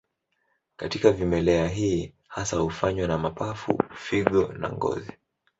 Katika vimelea hii hasa hufanywa na mapafu, figo na ngozi.